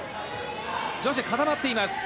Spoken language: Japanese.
固まっています。